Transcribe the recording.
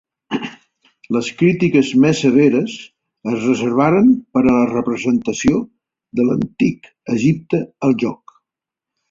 Les crítiques més severes es reservaren per a la representació de l'Antic Egipte al joc.